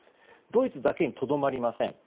ドイツだけにとどまりません。